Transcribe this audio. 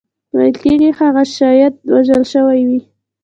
ویل کېږي هغه شاید وژل شوی وي.